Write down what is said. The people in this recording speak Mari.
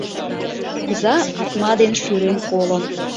Кугыза атма ден шӱрен колым